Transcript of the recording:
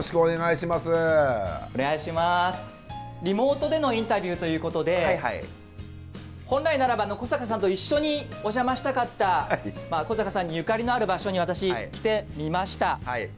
リモートでのインタビューということで本来ならば古坂さんと一緒にお邪魔したかった古坂さんにゆかりのある場所に私来てみました。